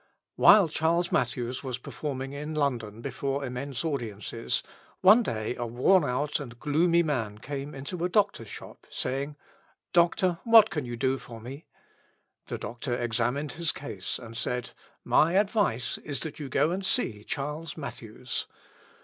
While Charles Mathews was performing in London before immense audiences, one day a worn out and gloomy man came into a doctor's shop, saying, "Doctor, what can you do for me?" The doctor examined his case and said, "My advice is that you go and see Charles Mathews."